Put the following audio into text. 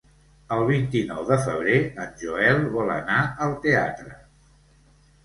El vint-i-nou de febrer en Joel vol anar al teatre.